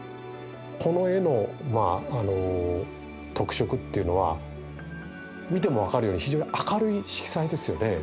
この絵の特色っていうのは見ても分かるように非常に明るい色彩ですよね。